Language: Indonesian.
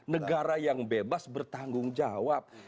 negara yang bebas bertanggung jawab